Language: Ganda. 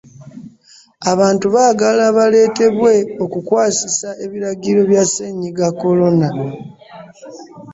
Abantu baagala baleetebwe okukwasisa ebiragiro bya Ssennyiga Corona.